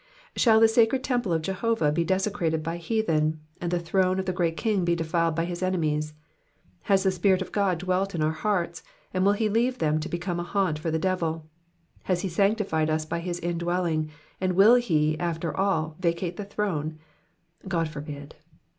Shall the saccred temple of Jehovah be desecrated by heathen, and the throne of the Great King be defiled by his enemies? Has the Spiiit of God dwelt in our hearts, and will he leave them to become a haunt for the devil ? Has he sanctified us by his indwelling, and will he, after all, vacate the throne ? God forbid.